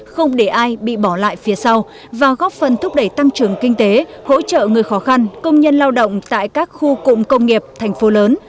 không để ai bị bỏ lại phía sau và góp phần thúc đẩy tăng trưởng kinh tế hỗ trợ người khó khăn công nhân lao động tại các khu cụm công nghiệp thành phố lớn